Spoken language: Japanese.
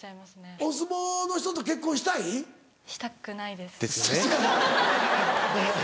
お相撲の人と結婚したい？したくないです。ですよね。